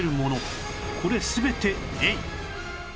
これ全てエイ